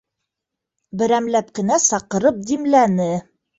Берәмләп кенә саҡырып димләне.